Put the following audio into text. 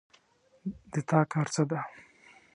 د تا کار څه ده